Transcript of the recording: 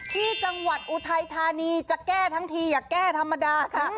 ที่จังหวัดอุทัยธานีจะแก้ทั้งทีอย่าแก้ธรรมดาค่ะ